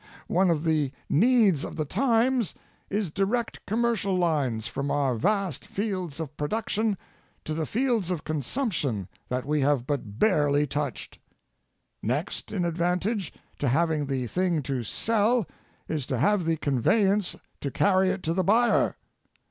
One of the needs of the times is direct commercial lines from our vast fields of production to the fields of consumption that we have but barely touched. Next in advantage to having the thing to sell is to have the conveyance to carry it to the buyer.